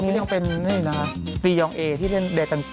สุดที่เรียกว่าเป็นนี่นะฮะฟรียองเอที่เล่นแดดจังกุ่ม